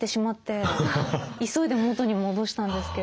急いで元に戻したんですけれども。